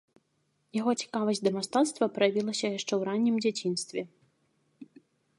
Яго цікавасць да мастацтва праявілася яшчэ ў раннім дзяцінстве.